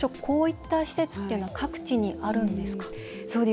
こういった施設っていうのは各地にあるんですか？